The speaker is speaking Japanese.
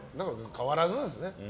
変わらずですね。